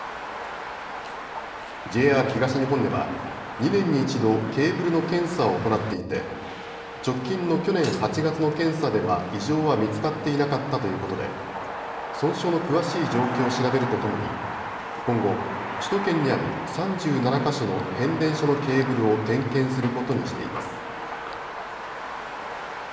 ＪＲ東日本では２年に１度、ケーブルの検査を行っていて直近の去年８月の検査では異常は見つかっていなかったということで損傷の詳しい状況を調べるとともに今後、首都圏にある３７か所の変電所のケーブルを点検することにしています。